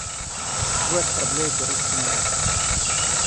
Вы оскорбляете русский народ.